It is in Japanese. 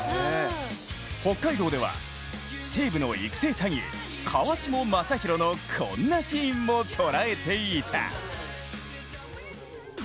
北海道では、西武の育成３位川下将勲のこんなシーンも捉えていた。